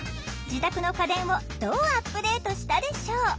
自宅の家電をどうアップデートしたでしょう？